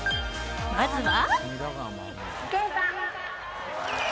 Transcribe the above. まずは。